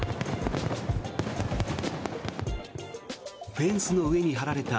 フェンスの上に張られた